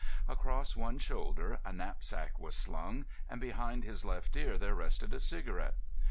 Across one shoulder a knapsack was slung, and behind his left ear there rested a cigarette.